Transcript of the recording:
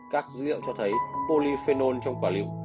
các dữ liệu cho thấy polyphenol trong quả liệu